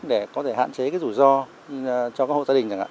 để có thể hạn chế cái rủi ro cho các hộ gia đình